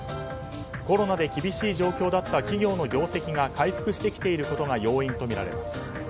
コロナで厳しい状況だった企業の業績が回復してきていることが要因とみられます。